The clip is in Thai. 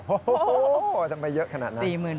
โฮจะไม่เยอะขนาดนั้น